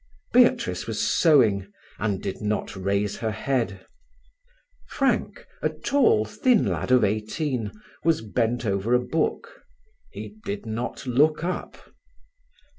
Beatrice was sewing, and did not raise her head. Frank, a tall, thin lad of eighteen, was bent over a book. He did not look up.